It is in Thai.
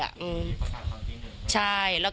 ประกาศความจริงเลย